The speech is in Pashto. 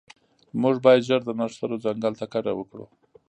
موږ باید ژر د نښترو ځنګل ته کډه وکړو